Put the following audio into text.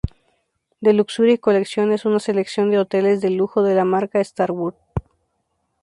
The Luxury Collection es una selección de hoteles de lujo de la marca Starwood.